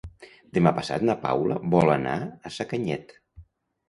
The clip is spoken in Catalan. Demà passat na Paula vol anar a Sacanyet.